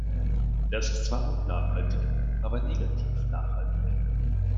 Das ist zwar auch nachhaltig, aber negativ nachhaltig.